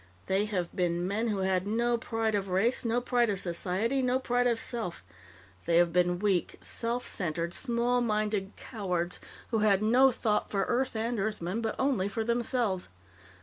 They have been men who had no pride of race, no pride of society, no pride of self. They have been weak, self centered, small minded, cowards who had no thought for Earth and Earthmen, but only for themselves.